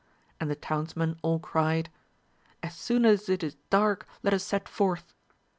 and the townsmen all cried. As soon as it is dark let us set forth.